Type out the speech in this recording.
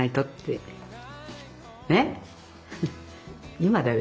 今だよ